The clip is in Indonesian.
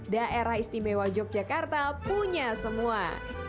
daerah istimewa yogyakarta punya semua